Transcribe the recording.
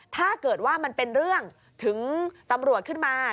ถ้าเกิดว่ามันเป็นเรื่องถึงตำรวจขึ้นมา